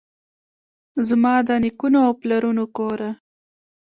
زما دنیکونو اوپلرونو کوره!